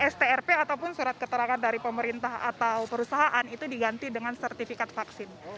strp ataupun surat keterangan dari pemerintah atau perusahaan itu diganti dengan sertifikat vaksin